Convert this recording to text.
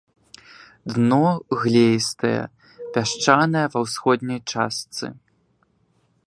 Дно глеістае, пясчанае ва ўсходняй частцы.